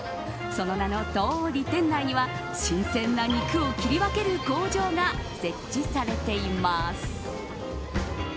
その名のとおり、店内には新鮮な肉を切り分ける工場が設置されています。